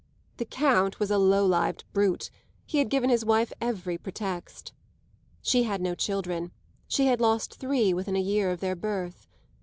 The Count was a low lived brute; he had given his wife every pretext. She had no children; she had lost three within a year of their birth.